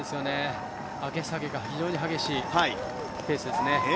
上げ下げが非常に激しいペースですね。